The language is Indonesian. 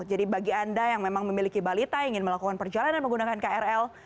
jadi bagi anda yang memang memiliki balita ingin melakukan perjalanan menggunakan krl